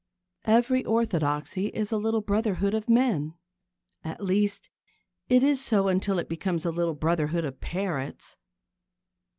Every orthodoxy is a little brotherhood of men. At least, it is so until it becomes a little brotherhood of parrots.